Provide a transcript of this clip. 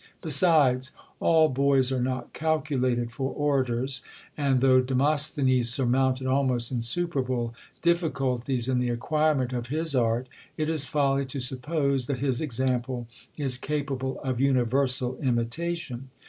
Besides, all boys are not calculated for orators ; and though Demosthenes surmounted almost insuperable difficulties in the acquirement of his art, it is folly to suppose that his example is capable of universal imita tion.